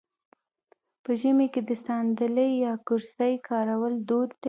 په ژمي کې د ساندلۍ یا کرسۍ کارول دود دی.